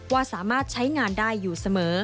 ว่าสามารถใช้งานได้อยู่เสมอ